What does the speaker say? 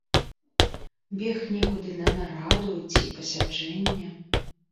Бег некуды на нараду ці пасяджэнне.